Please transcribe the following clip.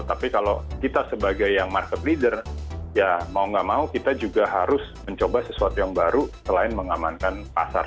tapi kalau kita sebagai yang market leader ya mau gak mau kita juga harus mencoba sesuatu yang baru selain mengamankan pasar